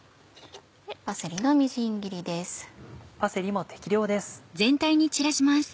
パセリのみじん切りです。